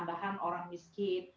menyebabkan tambahan orang miskin